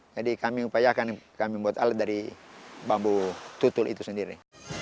jadi kami upayakan kami buat alat dari bambu tutul itu sendiri